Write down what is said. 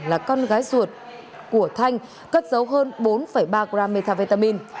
là con gái ruột của thanh cất dấu hơn bốn ba g methamphetamine